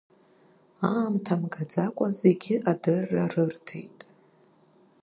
Аамҭа мгаӡакәа зегьы адырра рырҭеит.